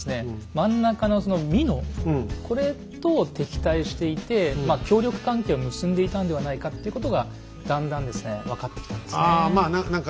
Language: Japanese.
真ん中の美濃これと敵対していてまあ協力関係を結んでいたんではないかっていうことがだんだんですね分かってきたんですね。